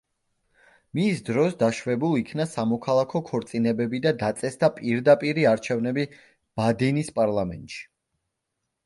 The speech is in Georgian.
მის დროს დაშვებულ იქნა სამოქალაქო ქორწინებები და დაწესდა პირდაპირი არჩევნები ბადენის პარლამენტში.